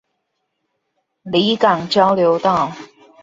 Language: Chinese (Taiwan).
里港交流道